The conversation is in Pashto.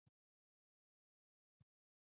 د دغو دواړو توازن انساني ژوند منظم ساتي.